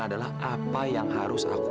adalah apa yang harus aku